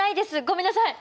ごめんなさい。